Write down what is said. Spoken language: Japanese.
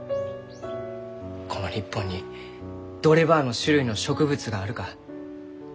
この日本にどればあの種類の植物があるか。